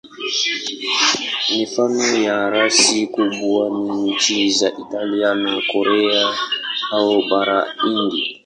Mifano ya rasi kubwa ni nchi za Italia na Korea au Bara Hindi.